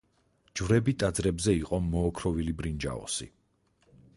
ჯვრები ტაძარზე იყო მოოქროვილი ბრინჯაოსი.